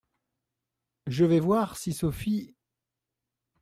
Je vais voir si Sophie…